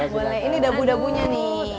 boleh ini dapu dapunya nih